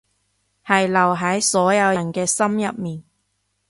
係留喺所有人嘅心入面